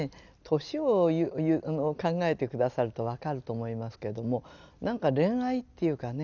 年を考えて下さると分かると思いますけれどもなんか恋愛っていうかね